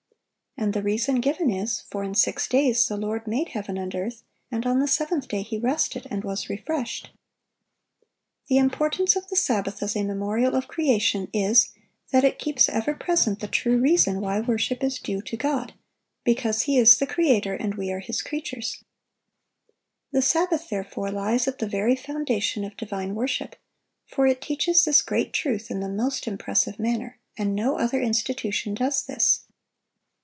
(731) And the reason given is, "For in six days the Lord made heaven and earth, and on the seventh day He rested, and was refreshed."(732) "The importance of the Sabbath as a memorial of creation is that it keeps ever present the true reason why worship is due to God,"—because He is the Creator, and we are His creatures. "The Sabbath, therefore, lies at the very foundation of divine worship; for it teaches this great truth in the most impressive manner, and no other institution does this.